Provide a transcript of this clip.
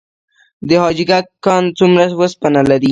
د حاجي ګک کان څومره وسپنه لري؟